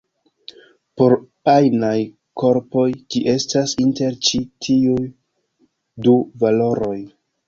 Por ajnaj korpoj ĝi estas inter ĉi tiuj du valoroj.